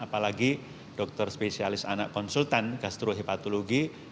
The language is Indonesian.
apalagi dokter spesialis anak konsultan gastrohepatologi